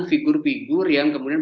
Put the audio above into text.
figur figur yang kemudian